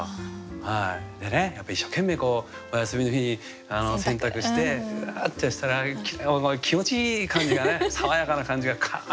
やっぱり一生懸命お休みの日に洗濯してうわってしたら気持ちいい感じがね爽やかな感じがカーッと伝わってきますね